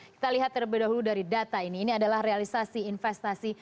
kita lihat terlebih dahulu dari data ini ini adalah realisasi investasi